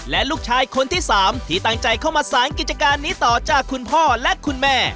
และลูกชายคนที่๓ที่ตั้งใจเข้ามาสารกิจการนี้ต่อจากคุณพ่อและคุณแม่